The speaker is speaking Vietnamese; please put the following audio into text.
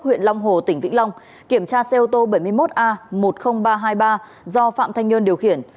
huyện long hồ tỉnh vĩnh long kiểm tra xe ô tô bảy mươi một a một mươi nghìn ba trăm hai mươi ba do phạm thanh nhơn điều khiển